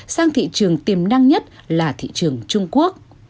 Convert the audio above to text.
sang thị trường trung quốc